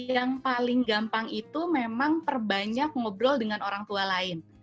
yang paling gampang itu memang perbanyak ngobrol dengan orang tua lain